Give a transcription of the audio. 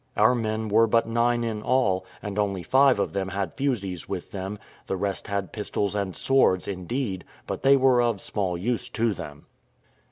Our men were but nine in all, and only five of them had fusees with them; the rest had pistols and swords, indeed, but they were of small use to them.